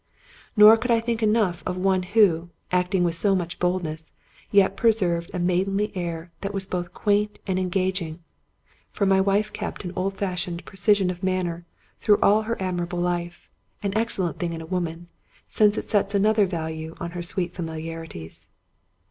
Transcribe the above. Nor could I think enough of one who, acting with so much boldness, yet preserved a maidenly air that was both quaint and engaging; for my wife kept an old fashioned precision of manner through all her admirable life — an excellent thing in woman, since it sets another value on her sweet famil iarities.